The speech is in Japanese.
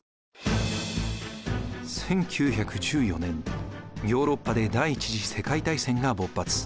１９１４年ヨーロッパで第一次世界大戦が勃発。